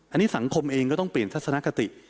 อันนี้สังคมเองก็ต้องเปลี่ยนทัศนคติ